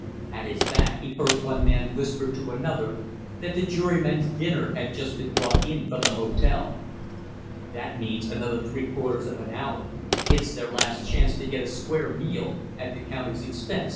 At his back he heard one man whisper to another that the jurymen's dinner had just been brought in from the hotel. "That means another three quarters of an hour, it's their last chance to get a square meal at the county's expense!"